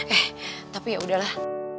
eh tapi ya udahlah